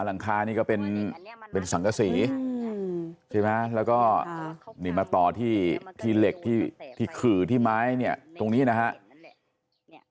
หลังคานี่ก็เป็นสังกษีใช่ไหมแล้วก็นี่มาต่อที่ที่เหล็กที่ขื่อที่ไม้เนี่ยตรงนี้นะครับ